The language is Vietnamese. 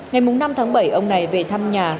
ngày năm tháng bảy ông này về thăm nhà